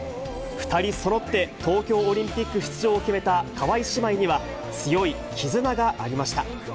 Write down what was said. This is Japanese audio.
２人そろって東京オリンピック出場を決めた川井姉妹には、強い絆がありました。